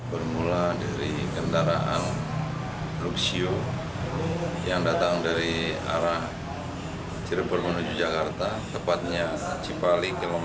bermula dari kendaraan luxio yang datang dari arah cirebur menuju jakarta tepatnya cipali km tujuh puluh empat empat ratus